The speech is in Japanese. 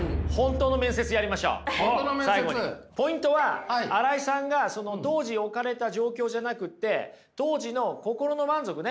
ポイントは新井さんが当時置かれた状況じゃなくて当時の心の満足ね。